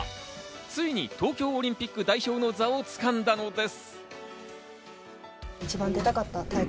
ついに東京オリンピック代表の座を掴んだのです。